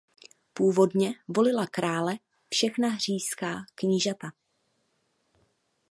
Původně volila krále všechna říšská knížata.